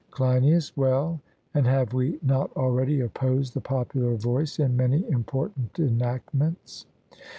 CLEINIAS: Well, and have we not already opposed the popular voice in many important enactments?